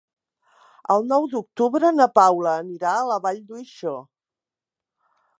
El nou d'octubre na Paula anirà a la Vall d'Uixó.